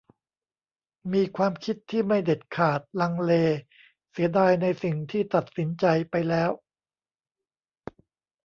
มีความคิดที่ไม่เด็ดขาด ลังเล เสียดายในสิ่งที่ตัดสินใจไปแล้ว